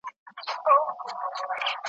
خو ستا پر شونډو به ساتلی یمه ,